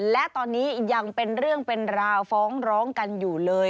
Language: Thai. และตอนนี้ยังเป็นเรื่องเป็นราวฟ้องร้องกันอยู่เลย